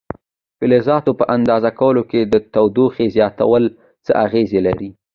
د فلزاتو په اندازه کولو کې د تودوخې زیاتېدل څه اغېزه لري؟